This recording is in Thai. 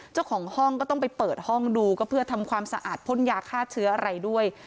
เจ้าของห้องก็ต้องไปเปิดห้องดูก็เพื่อทำความสะอาดพ่นยาฆ่าเชื้ออะไรด้วย